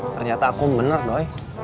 ternyata akum bener doi